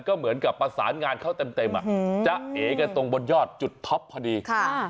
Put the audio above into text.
ก็เหมือนกับประสานงานเข้าเต็มเต็มอ่ะอืมจะเอกันตรงบนยอดจุดท็อปพอดีค่ะ